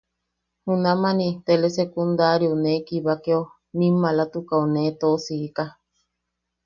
Junamani telesecundariau, ne kibakeo nim maalatukaʼu nee tosika.